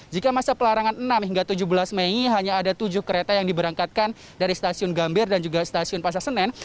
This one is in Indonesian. jika masa pelarangan enam hingga tujuh belas mei hanya ada tujuh kereta yang diberangkatkan dari stasiun gambir dan juga stasiun pasar senen